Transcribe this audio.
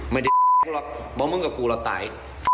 ไม่ได้บอกมึงกับกูเราตาย